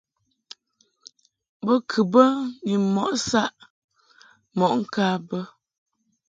Bo kɨ bə ni mɔʼ saʼ mɔʼ ŋka bə.